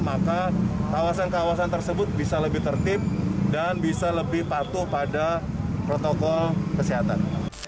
maka kawasan kawasan tersebut bisa lebih tertib dan bisa lebih patuh pada protokol kesehatan